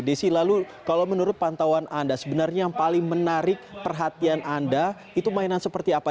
desi lalu kalau menurut pantauan anda sebenarnya yang paling menarik perhatian anda itu mainan seperti apa